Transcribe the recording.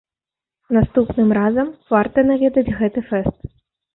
Наступным разам варта наведаць гэты фэст.